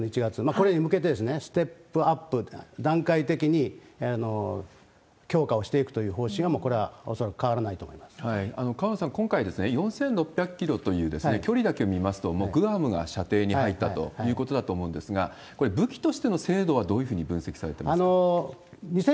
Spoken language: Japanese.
これに向けてステップアップ、段階的に強化をしていくという方針は、これはもう恐らく変わらな河野さん、今回、４６００キロという距離だけを見ますと、もうグアムが射程に入ったということだと思うんですが、これ、武器としての精度はどういうふうに分析されてますか？